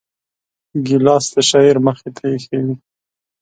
ګیلاس د شاعر مخې ته ایښی وي.